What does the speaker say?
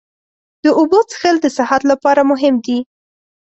د اوبو څښل د صحت لپاره مهم دي.